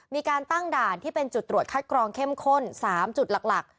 มีการตั้งด่านที่เป็นจุดตรวจคัดกรองเข้มข้น๓จุดหลัก